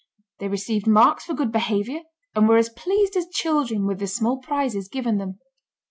They received marks for good behavior, and were as pleased as children with the small prizes given them.